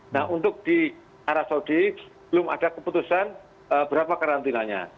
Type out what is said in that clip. nah untuk di arab saudi belum ada keputusan berapa karantinanya